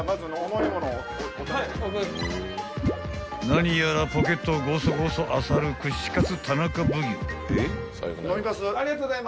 ［何やらポケットをゴソゴソあさる串カツ田中奉行］